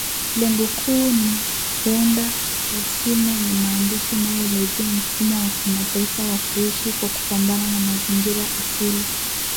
Lengo kuu ni kuandaa rasimu ya maandishi inayoelezea mfumo wa kimataifa wa kuishi kwa kupambana na mazingira asili.